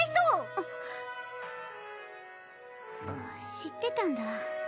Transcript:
知ってたんだ。